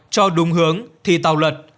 cho đúng hướng thì tàu lật